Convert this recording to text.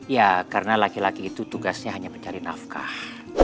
ya karena laki laki itu tugasnya hanya mencari nafkah